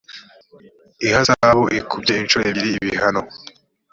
ihazabu ikubye inshuro ebyiri ibihano